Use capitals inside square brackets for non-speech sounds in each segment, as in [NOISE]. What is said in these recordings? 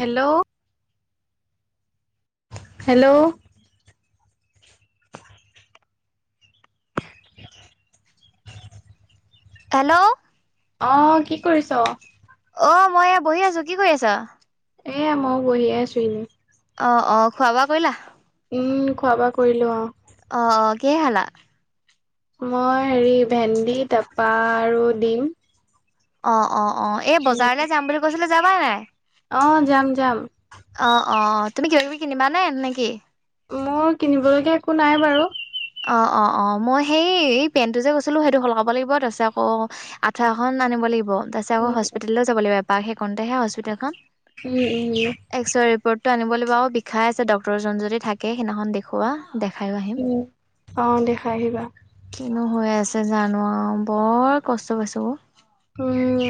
Hello. Hello. Hello. অঁ, কি কৰিছ? অঁ, মই এয়া বহি আছো। কি কৰি আছা? এই মই বহিয়ে আছোঁ এনে। অঁ, অঁ খোৱা -বোৱা কৰিলা? উম, খোৱা-বোৱা কৰিলো, অ। অ, অ, কিহে খালা? মই হেৰি, ভেন্দি তাপা আৰু ডিম। অ, অ, অ, এই বজাৰলৈ যাম বুলি কৈছিলো, যাবা নাই? অঁ, যাম, যাম। অ, অ, তুমি কিবা-কিবি কিনিবানে নেকি? মোৰ কিনিবলগীয়া একো নাই বাৰু! অ, অ, অ, মই সেই এই পেনটো যে কৈছিলো, সেইটো সলাব লাগিব, তাৰপিছত আকৌ আঠুৱা এখন আনিব লাগিব, তাৰপিছত আকৌ উম হস্পিতেললৈ যাব লাগিব এপাক, সেই কনতেহে হস্পিতেলখন। উম, উম। এক্সৰে ৰিপৰ্ট টো আনিব লাগিব, আৰু বিষাই আছে, ডক্তৰ জন যদি থাকে সিদিনাখন দেখুওৱা দেখাইও আহিম। হুম, অ, দেখাই আহিবা। কিনো হৈ আছে জানো আৰু, বৰ কষ্ট পাইছোঁ, অ। উম।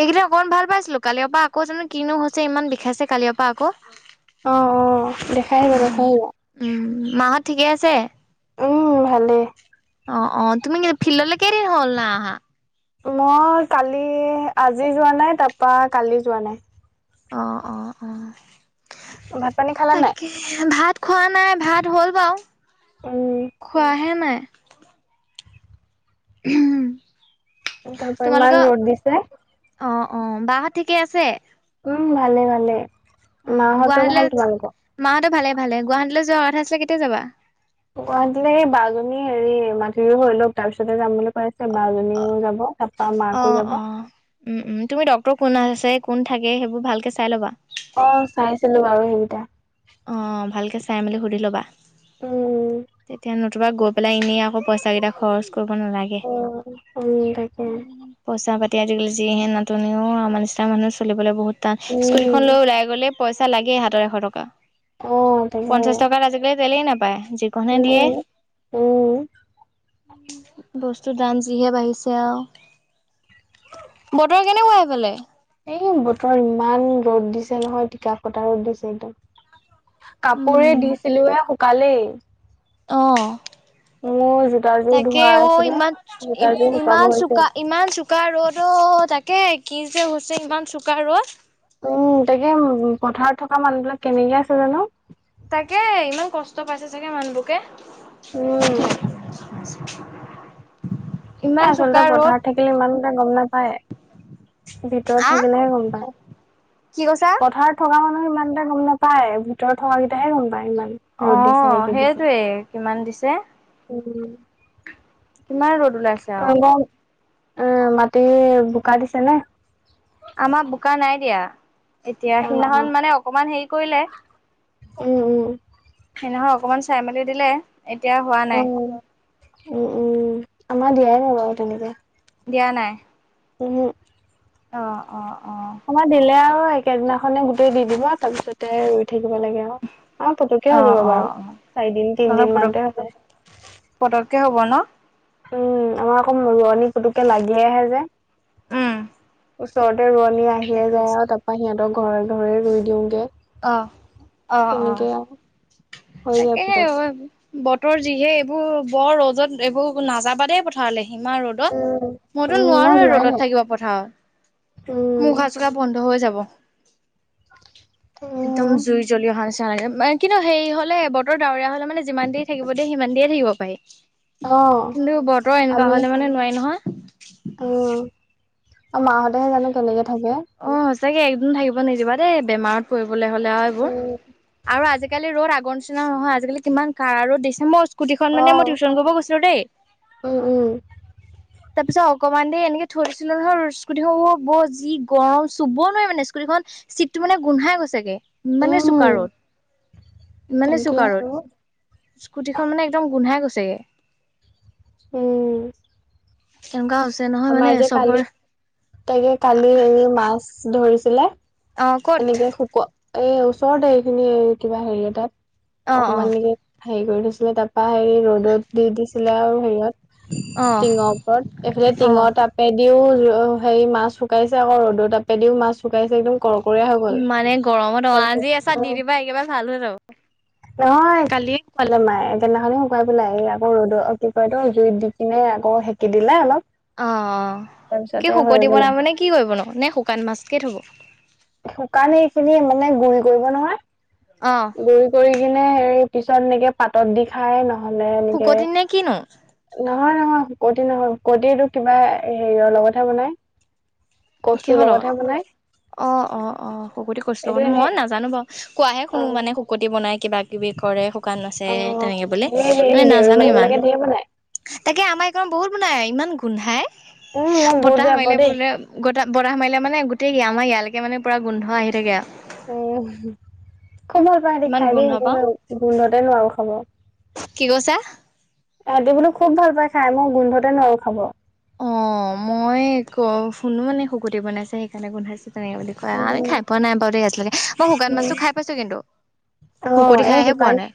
এইকেইদিন অকণমান ভাল পাইছিলো, কালিৰ পৰা আকৌ জানো কিনো হৈছে, ইমান বিষাইছে কালিৰ পৰা আকৌ। অ, অ, দেখাই আহিবা, দেখাই আহিবা। উম, মাহত ঠিকে আছে? উম, ভালেই। অ, অ, তুমি [UNINTELLIGIBLE] ফিল্ডলৈ কেইদিন হ'ল নাই অহা? মই কালি, আজি যোৱা নাই, তাৰপা কালি যোৱা নাই। অ, অ, অ। ভাত-পানী খালা নাই? তাকে ভাত খোৱা নাই। ভাত হ'ল বাৰু, উম খোৱাহে নাই। উম। তাৰ পৰা ইমান ৰ'দ দিছে। অ, অ, বাহত ঠিকে আছে? উম, ভালেই, ভালেই। অ, গুৱাহাটীলৈ, মাহঁতৰ ভালে-ভালে। গুৱাহাটীলৈ যোৱাৰ কথা আছিলে, কেতিয়া যাবা? গুৱাহাটী লে, এই বাজনী হেৰি মান্থলিটো হৈ লওক, তাৰপিছতে যাম বুলি কৈ বা জনীও যাব, তাপা মাকো অ' যাব। অ' উম, উম, তুমি ডক্তৰ কোন নাৰ্চ আছে, কোন থাকে, সেইবোৰ ভালকে চাই ল'বা। অ, চাইছিলো বাৰু সেইকেইটা। অঁ, ভালকে চাই-মেলি সুধি ল'বা। উম। এতিয়া নতুবা গৈ পেলাই এনেই আকৌ পইচা কেইটা খৰচ কৰিব নালাগে। অ, উম, তাকে। পইচা-পাতি আজিকালি যিহে নাতনি অ, আমাৰ নিচনা মানুহ চলিবলৈ বহুত টান। উম স্কুটিখন লৈ ওলাই গ'লে পইচা লাগেই হাতত এশ টকা। অ তাকে পঞ্চাশ টকাত আজিকালি তেলেই নাপায়, যি কনহে দিয়ে। উম উম বস্তুৰ দাম যিহে বাঢ়িছে আৰু। বতৰ কেনেকুৱা সেইফালে? এই, বতৰ ইমান ৰ'দ নহয়, টিকা ফটা ৰ'দ দিছে একদম। কাপোৰ এই উম দিছিলো হে, শুকালেই। অ। মোৰ জোতাযোৰ তাকে ধোৱা অ, আছিলে ইমান জোতাযোৰ শুকাব ইমান হৈছে চুকা, ইমান চুক চোকা ৰ'দ অ', তাকে কি যে হৈছে ইমান চোকা ৰ'দ। উম' তাকে, পথাৰত থকা মানুহ বিলাক কেনেকে আছে জানো? তাকে ইমান কষ্ট পাইছে চাগে মানু্হবোকে। উম [UNINTELLIGIBLE] এ আচলতে পথাৰত থাকিলে ইমান এটা গম নাপায়। ভিতৰত আহ থাকিলেহে গম পায়, কি কৈছা? পথাৰত থকা মানুহে ইমান এটা গম নাপায়। ভিতৰত থকাকেইটাহে গম পায় ইমান। ৰ'দ দিছে নে অ' কি দিছে সেইটোৱে কিমান দিছে। উম'। কিমান ৰ'দ ওলাইছ। তোমালকৰ মাটি বোকা দিছেনে? আমাৰ বোকা নাই দিয়া, এতিয়া অ অ সিদিনাখন মানে অকমান হেৰি কৰিলে। উম' উম'। সেইদিনাখন অকমান চাই মেলি দিলে। এতিয়া হোৱা নাই অ' উম উম আমাৰ দিয়াই নাই বাৰু তেনেকে। দিয়া নাই। ওহোঁ। অ' অ' অ'। আমাৰ দিলে আৰু, একেদিনাখনে গোটেই দি দিব আৰু তাৰপিছতে ৰুই থাকিব লাগে আও। অ' পতুকে অ হৈ যাব অ অ বাৰু, চাৰিদিন তিনদিন মানতে হৈ যায়। পতককে হব ন'? উম' আমাৰ আকৌ ৰোৱনী পুতুকে লাগি আহে যে। উম'। ওচৰতে ৰোৱনী আহিয়ে দেখি যায় আছো আৰু তাপা সিহঁতক ঘৰে ঘৰে ৰুই দিওঁগে। অ', অ' তেনেকে অ' আৰু হৈ যায় তাকেহে। পুতককে বতৰ যিহে এইবোৰ বৰ ৰ'দত এইবোৰ নাযাবা দেই পথাৰলে, ইমান ৰ'দ। উম মইতো উম মই নোৱাৰোৱে যোৱাই ৰ'দত নাই থাকিব পথাৰৰ। মোৰ উম উশাহ চুশাহ বন্ধ হৈ যাব। একদম জুই জ্বলি অহা নিচিনা লাগে। উম' কিন্তু হেৰি হলে বতৰ ডাৱৰীয়া হ'লে মানে যিমান দেৰি থাকিব দিয়ে সিমান দেৰিয়ে থাকিব পাৰি। [INAUDIBLE] কিন্তু বতৰ এনেকোৱা আমি হলে মানে নোৱাৰি নহয়। উম' মা হঁতেহে জানো কেনেকে থাকে। অ, সঁচাকে একদিনো থাকিব নিদিবা দেই বেমাৰত। কৰিবলে হ'লে আৰু এইবোৰ উম আৰু আজিকালি ৰ'দ আগৰ নি নিচিনা নহয়। আজিকালি কিমান কাৰা ৰ'দ দিছে। মই স্কুটিখন অ মানে মই টিউশন কৰিব গৈছিলো দেই। উম, উম। তাৰ পিছত অকণমান দেৰি এনেকে থৈ দিছিলোঁ নহয় স্কুটিখন, অ' ব যি গৰম চুব নোৱাৰি মানে স্কুটিখন, চিটটো মানে গোন্ধাই গৈছেগে। ইমানে উম চোকা ৰ'দ, ইমানে তাকে চোকা আৰু ৰ'দ। স্কুটিখন মানে একদম গোন্ধাই গৈছেগে। উম। তেনেকুৱা হৈছে ন। আমাৰ যে কালি, তাকে কালি হেৰি মাছ ধৰিছিলে। অ' ক'ত? এনেকে শুকুৱা, এ ওচৰতে এইখিনি কিবা হেৰি এটাত অ', অকমান অ', এনেকে। হেৰি কৰি থৈছিলে তাত। পা হেৰি ৰ'দত দি দিছিলে আৰু হেৰিয়ত অ', টিঙৰ ওপৰত। এইফালে টিঙৰ অ'। তাপ পেদিও হেৰি মাছ শুকাইছে আকৌ ৰ'দ তাপেদিও মাছ শুকাইছে। একদম কৰক, ইমানে গৰমত অ' আজি এছা দি দিবা একেবাৰে ভাল হয় যাব। [INAUDIBLE] নহয় কালিয়ে শুকুৱালে মায়ে একেইদিনাখনে শুকুৱাই পেলাই আক ৰ'দত কি কয় এইটো, জুইত দি। এনে আকৌ সেকি দিলে অলপ। অ' অ' কি তাৰপিছতে হৈ শুকতি গ'ল বনাবনে কি কৰিবনো? নে শুকান মাছকে থ'ব? শুকানে এই খিনি মানে গুৰি কৰিব নহয়। অ', গুৰি কৰি কিনে, সেই পিছত এনেকে পাতত দি খাই ন'হলে এনেকে। শুকতি নে কিনো? নহয়, নহয় শুকতি নহয়। শুকতিটো কিবা হেৰিয়ৰ লগতহে বনাই। কচুৰ কিহৰ লগত, লগতহে বনাই অ', অ', অ', শুকতি কচু এইটো লগত এনে মই নাজানোঁ বাৰু। কোৱাহে অ শুনো মানে, শুকতি বনাই কিবা কিবি কৰে। শুকান অ মাছেৰে তেনেকে বুলি সেই হেৰি মানে দেউৰী নাজানোঁ মানুহ ইমান। বিলাকে ধেৰ বনাই তাকে আমাৰ এইকনত বহুত বনাই, ইমান গোন্ধাই উম মই বহুত বতাহ বেয়া মাৰিলে পাওঁ দেই বোলে, গটা বতাহ মাৰিলে মানে গোটেই আমাৰ ইয়াৰলৈকে মানে পোৰা গোন্ধ আহি থাকে আৰু। উম, খুব ভাল পাই ইমান খাই দেই গোন্ধ পাওঁ। মই গোন্ধতে নোৱাৰোঁ খাব। কি কৈছা? তাহঁতি বোলোঁ খুব ভাল পাই খাই, মই গোন্ধতে নোৱাৰোঁ খাব। অ, মই ক শুনো মানে শুকুতি বনাইছে সেইকাৰণে গোন্ধাইছে তেনেকে বুলি কয়। আমি উম খাই, পোৱা নাই বাৰু দেই আজিলৈকে, মই শুকান উম মাছটো খাই পাইছোঁ কিন্তু, অ শুকতি এই খাইহে পোৱা শুকান নাই।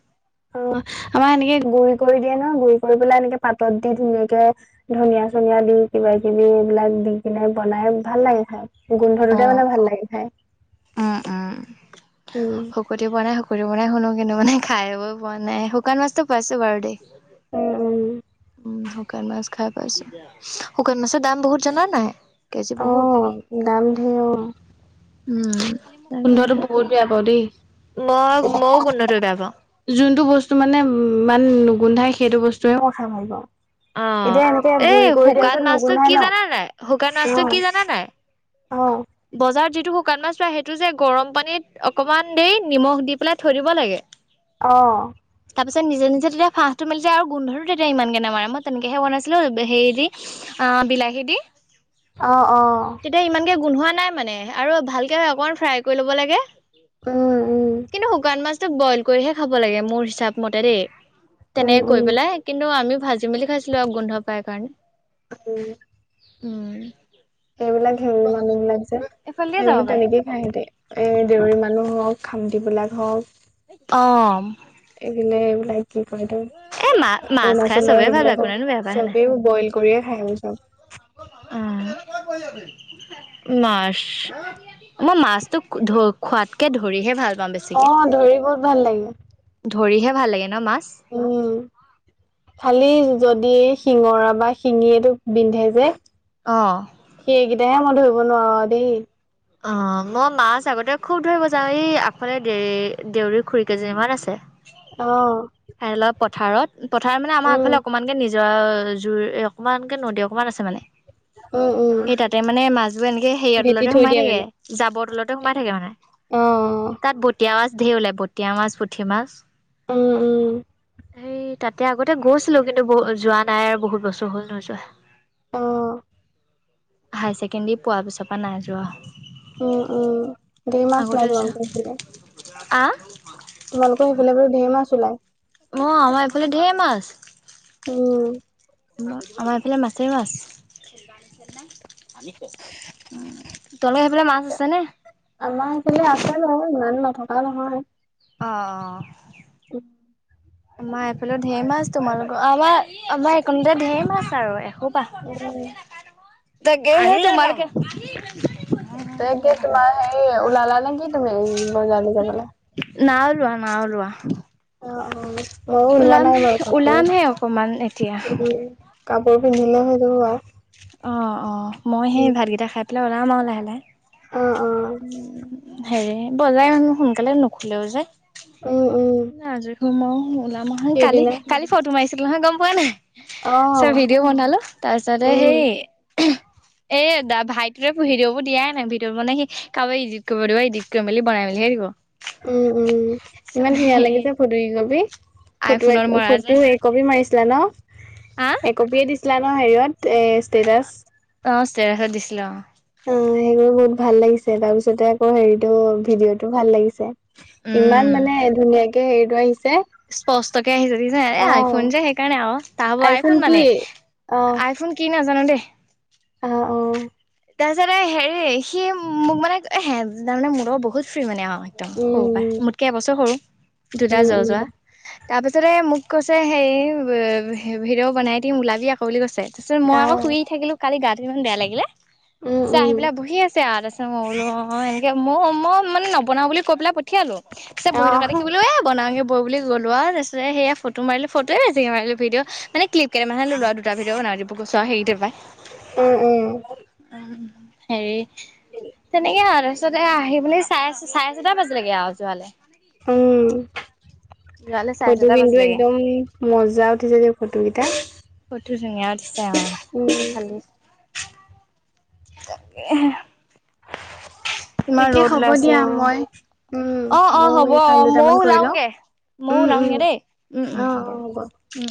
অ, আমাৰ এনেকে গুৰি কৰি দিয়ে ন, গুৰি কৰি পেলাই এনেকে পাতত দি ধুনীয়াকে, ধনিয়া-চনিয়া দি কিবা কিবি এইবিলাক দি কিনে বনাই ভাল লাগে খাই। গোন্ধটোতে অ' মানে ভাল লাগে খাই। উম, উম, উম, শুকতি বনাই শুকতি বনাই হলোঁ কিন্তু মানে খাই-বৈ পোৱা নাই, শুকান মাছতো পাইছোঁ বাৰু দেই। উম-উম। উম, শুকান মাছ খায় পাইছো। শুকান মাছৰ দাম বহুত জানা না নাই? কেজি বহুত, অ', দাম ধেৰ অ'। উম তাকে, গোন্ধটো বহুত বেয়া পাওঁ দেই। মই মইওঁ গোন্ধটো বেয়া পাওঁ। যোনটো বস্তু মানে ইমান নুগোন্ধাই সেইটো বস্তুহে মই খায় ভাল পাওঁ। অ এতিয়া এনেকে এই গুৰি কৰি দিয়া শুকান পিছত মাছটো নুগুন্ধাই ন। [INAUDIBLE] কিয়, কি জানা নাই অ'। বজাৰত যিটো শুকান মাছ পায় সেইটো যে, গৰম পানীত অকণমান দেৰি নিমখ দি পেলাই থৈ দিব লাগে। অ, ' তাৰপিছত নিজে নিজে তেতিয়া ফাঁহটো মেলি যায় আৰু গোন্ধটো তেতিয়া ইমানকে নামাৰে মই তেনেকৈহে বনাইছিলোঁ হেৰি দি। অ, ' বিলাহী দি। অ, 'অহ তেতিয়া ইমানকে গোন্ধোৱা নাই মানে আৰু ভালকে অকণমান ফ্ৰাই কৰি ল'ব লাগে। উম, উম, কিন্তু শুকান মাছতটো বইল কৰিহে খাব লাগে মোৰ হিচাপ মতে দেই উম, তেনেকে উম, কৈ পেলাই কিন্তু আমি ভাজি মেলি খাইছিলোঁ আৰু গোন্ধ পাই কাৰণে। [UNINTELLIGIBLE] উম। সেইবিলাক হেৰি মানুহ বিলাক যে এইফালে দিয়ে যাব এইেইবোৰ পাৰে তেনেকে এ দেউৰী মানুহ হওঁক খামটি বিলাক হওঁক। অ,। এইফালে এইবিলাক কি কৈ এইটো এ মা মাছ খাই অৰুণাচলৰ চবেই ভাল পায় সেইবিলাক কোনেনো বেয়া পায় হয় চবেই বইল কৰিয়ে খাই আমি চব। উম। মাছ, মই মাছতো ধৰি খোৱাতকে ধৰিহে ভাল পাওঁ বেছি। অ', ধৰি বহুত ভাল লাগে। ধৰিহে ভাল লাগে ন' মাছ। উম খালি যদি শিঙৰা বা শিঙিয়ে এইটো বিন্ধে যে। অহ। সেইগিটাহে মই ধৰিব নোৱাৰোঁ আৰু দেই। অ', মই মাছ আগতে খুব ধৰিব যাওঁ। এই আগফালে দে দেউৰী খুড়ী কেইজনীমান আছে। অ,। হেয় পথাৰত পথাৰ মানে আমাৰ উম আগলে অকনমানকে নিজ য জুৰ এই অকমানকে নদী অকনমান আছে মানে। উম উম সেই, তাতে মানে মাছবোৰ এনেকে হেৰিৱ ভেটি তলতে থৈ সোমাই দিয়ে থাকে মানে জাবৰ তলতে সোমাই থাকে মানে অ তাত বতিয়া মাছ ধেৰ ওলাই ব বতিয়া মাছ, পুঠিমাছ। উম উম। হেই তাতে আগতে গৈছিলো কিন্তু বহুত যোৱা নাই আৰু বহুত বছৰ হ'ল নোযোৱা। অ'। হায়াৰ ছেকেণ্ডেৰী পোৱাৰ পিছৰ পৰা নাই যোৱা। উম উম ধেৰ মাছ আগতে উলাই চা তোমালোকৰ হেইফালে। আহ তোমালোকৰ সেইফালে বোলো ধেৰ মাছ উলাই। অ', আমাৰ এইফালে ধে'ৰ মাছ। উম। আমাৰ এইফালে মাছেই মাছ। তোমাৰ সেইফালে মাছ আছে নে? আমাৰ এইফালে আছে বাৰু ইমান নথকা নহয়। অ' অ'। [INAUDIBLE] আমাৰ এইফালে ঢেৰ মাছ তোমালোকৰ আমাৰ আমাৰ এইকণতে ধেৰ মাছ আৰু এখোপা। উম, তাকেহে তোমালোকে। তাকে তোমাৰ হেৰি ওলালা নে কি তুমি বজাৰলৈ যাবলে? না উলোৱা না উলোৱা। অ', অ', মইও উলোৱা নাই বাৰু ওলামহে অকমান এতিয়া। কাপোৰ কাপোৰ পিন্ধিলে হৈ যাব বাৰু। অ' অ' মই হেই ভাতগিতা খাই পেলাই ওলাম আৰু লাহে লাহে। অ' অ'। হেৰি বজাৰ ইমান সোনকালে নুখোলেও যে উম, উম, আজৰি ওলাম আও। কালি সেইদিনা কালি ফটো মাৰিছিলো নহয় গম পোৱা নাই। অ', ভিডিঅ' বনালো তাৰ পিছতে উম, হেৰি এ দা ভাইটিৱে ভিদিওবোৰ দিয়াই নাই ভিদাও মানে হি কাৰবাক ইডিয়ট কৰিব দিব। ইডিট কৰি বনাই মেলিহে দিব। উম উম, ইমান ধুনীয়া লাগিছে ফোট দুই কপি। ফটো এক আইফোনত মৰা ফটো যে এক কপি মাৰিছিলা ন, আহ এক কপিয়ে দিছ ছিলা ন হেৰিয়ত এই ষ্টেটাছ। অ ষ্টেটাচত দিছিলে অ। অ সেইবোৰ বহুত ভাল লাগিছে তাৰ পিছতে আকৌ হেৰিটো ভিডিঅ'টো ভাল লাগিছে। উম ইমান মানে ধুনীয়াকে হেৰিটো আহিছে। স্পষ্টকে আহিছে দিছে এ অ আইফোন যে সেইকাৰণে অ তা হ'ব আইফোন মানে অ আইফোন কি নাজানো দেই? অ অ তাৰপিছতে হেৰি সি মোক মানে এ হে তাৰমানে মোৰ লগৰ বহুত ফ্ৰী মানে হয়। একদম উম সৰু পাই, মোতকে এবছৰ সৰু দুদা উম উম য উম যোৱা। তাৰ পিছতে মোক কৈছে হেৰি ব ভি ভিডিঅ' বনাই দিম ওলাবি আকৌ বুলি কৈছে। তাৰপিছত মই আকৌ আহ শুই থাকিলো কালি গাটো কিমান বেয়া লাগিলে। উম ছা উম আহি পেলাই বহি আছে আ তাৰপিছত মই বোলো অ এনেকে মই মই মানে নবনাও বুলি কৈ পেলাই প ঠিয়ালো, পিছে বহি থকা আহ দেখিবলৈ এ বনাওঁগে ব বুলি গ'লোৱা তাৰপিছতে সেয়া ফটো মাৰিলো, ফটোৱে বেছিকে মাৰিলো ভিডিঅ মানে ক্লিপ কেৰেমাহে লয় লোৱা দুটা ভিডিঅ বনাই দিব গৈ চোৱা হেৰিতে পায়। উম উম। উম হেৰি তেনেকে আৰু তাৰপিছতে আহি বুলি চাই আছো চাৰে ছটা বাজিলৈকে আৰু যোৱালে। উম। যোৱালে চাৰে ফটো ছটা কিন্তু বাজিলেগে একদম মজা উঠিছে দেই ফটোকেইটা। ফটো ধুনীয়া উঠিছে অ উম [UNINTELLIGIBLE] ভালেই। তাকেহে। কিমান তাকে ৰ'দ হ'ব দিয়া ওলাইছে ঔ। মই উম অ অ ময়ো হ'ব, এই কাম আহ মইও দুটামান কৰি লওঁ ওলাওগে, মইও উম উম ওলাওগে দেই, উম উম অ হ'ব। অ উম।